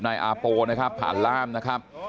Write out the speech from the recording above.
นายอาโปนะครับผ่านล่ามนะครับ